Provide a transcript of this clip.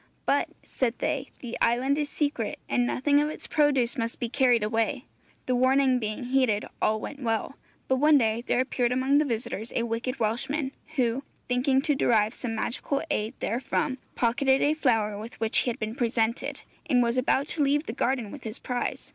'But,' said they, 'the island is secret, and nothing of its produce must be carried away.' The warning being heeded, all went well. But one day there appeared among the visitors a wicked Welshman, who, thinking to derive some magical aid therefrom, pocketed a flower with which he had been presented, and was about to leave the garden with his prize.